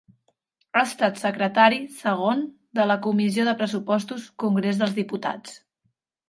Ha estat secretari segon de la Comissió de Pressupostos Congrés dels Diputats.